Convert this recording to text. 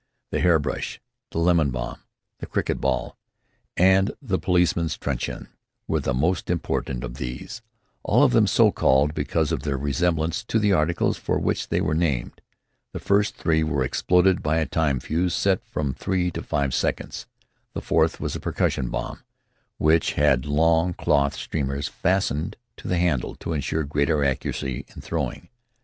The "hairbrush," the "lemon bomb," the "cricket ball," and the "policeman's truncheon" were the most important of these, all of them so called because of their resemblance to the articles for which they were named. The first three were exploded by a time fuse set for from three to five seconds. The fourth was a percussion bomb, which had long cloth streamers fastened to the handle to insure greater accuracy in throwing.